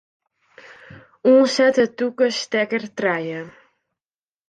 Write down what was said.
Oansette tûke stekker trije.